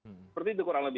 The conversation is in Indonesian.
seperti itu kurang lebih